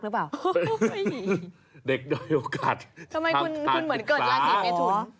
ทำไมคุณเหมือนเกิดราสีเมทุน